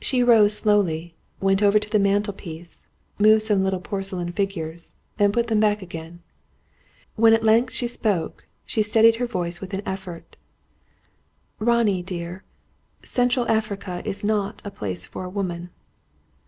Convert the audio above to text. She rose slowly, went over to the mantel piece, moved some little porcelain figures, then put them back again. When at length she spoke, she steadied her voice with an effort. "Ronnie dear, Central Africa is not a place for a woman."